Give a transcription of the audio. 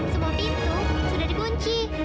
semua pintu sudah dikunci